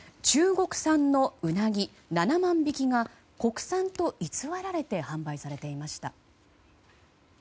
中国産のウナギ７万匹が国産と偽られて販売されていました。